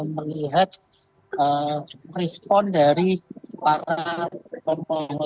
melihat respon dari para komponen